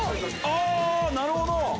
ああなるほど！